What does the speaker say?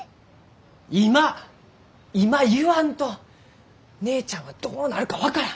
今今言わんと姉ちゃんはどうなるか分からん！